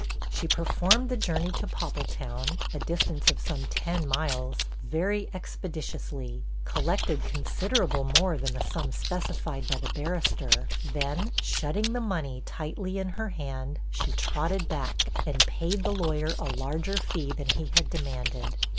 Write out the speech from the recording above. She performed the journey to Poppletown, a distance of some ten miles, very expeditiously; collected considerable more than the sum specified by the barrister; then, shutting the money tightly in her hand, she trotted back, and paid the lawyer a larger fee than he had demanded.